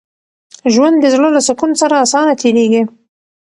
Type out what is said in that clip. ژوند د زړه له سکون سره اسانه تېرېږي.